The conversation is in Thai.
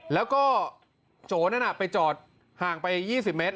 แล้วก็โจนั่นไปจอดห่างไป๒๐เมตร